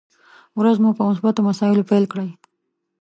ورځ مو پر مثبتو مسايلو پيل کړئ!